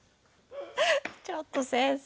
ちょっと先生！